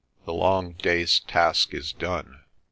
"The long day's task is done."